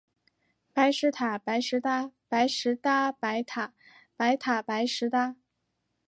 白石塔，白石搭。白石搭白塔，白塔白石搭